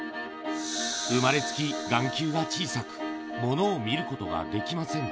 生まれつき眼球が小さく、物を見ることができません。